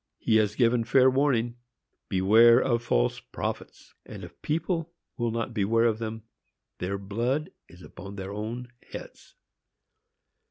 He has given fair warning, "Beware of false prophets;" and if people will not beware of them, their blood is upon their own heads.